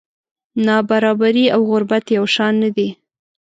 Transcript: نابرابري او غربت یو شان نه دي.